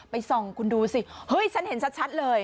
ส่องคุณดูสิเฮ้ยฉันเห็นชัดเลย